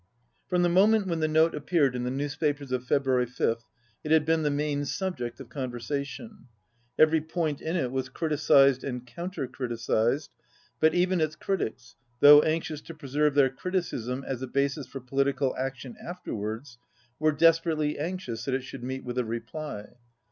I From the moment when the note appeared in the newspapers of February 5th, it had been the main subject of conversation. Every point in it was criticized and counter criticized, but even its critics, though anxious to preserve their criticism as a basis for political action afterwards, were des perately anxious that it should meet with a reply.